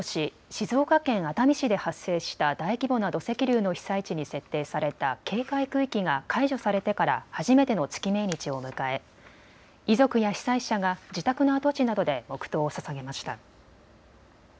静岡県熱海市で発生した大規模な土石流の被災地に設定された警戒区域が解除されてから初めての月命日を迎え遺族や被災者が自宅の跡地などで黙とうをささげました。